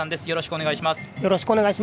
よろしくお願いします。